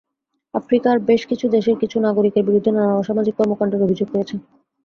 আফ্রিকার বেশ কিছু দেশের কিছু নাগরিকের বিরুদ্ধে নানা অসামাজিক কর্মকাণ্ডের অভিযোগ রয়েছে।